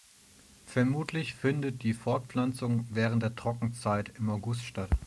Vermutlich findet die Fortpflanzung während der Trockenzeit im August statt.